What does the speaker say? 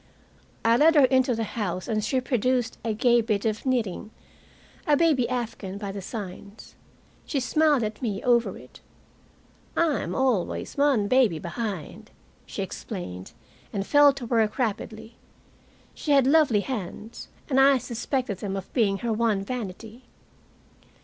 I led her into the house, and she produced a gay bit of knitting, a baby afghan, by the signs. She smiled at me over it. "I am always one baby behind," she explained and fell to work rapidly. She had lovely hands, and I suspected them of being her one vanity.